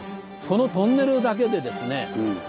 このトンネルだけでですねああ